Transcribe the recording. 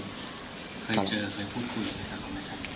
เคยเจอเคยพูดคุยกับเขาไหมครับ